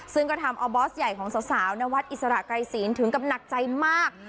ซึ่งก็ทำเอาบอสใหญ่ของสาวนวัดอิสระไกรศีลถึงกับหนักใจมาก